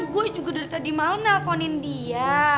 gue juga dari tadi malem gak telfonin dia